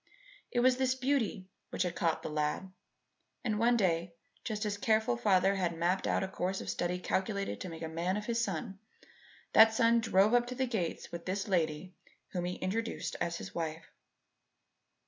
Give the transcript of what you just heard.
It was this beauty which had caught the lad; and one day, just as the careful father had mapped out a course of study calculated to make a man of his son, that son drove up to the gates with this lady whom he introduced as his wife.